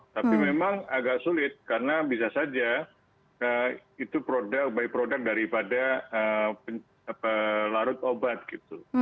tapi memang agak sulit karena bisa saja itu by product daripada larut obat gitu